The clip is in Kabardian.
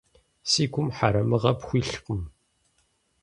Си гум хьэрэмыгъэ пхуилъкъым.